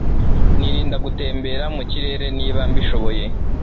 Nirinda gutembera mu kirere niba mbishoboye